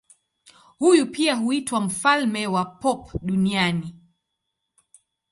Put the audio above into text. Huyu pia huitwa mfalme wa pop duniani.